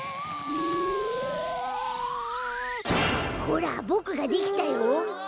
ほらボクができたよ！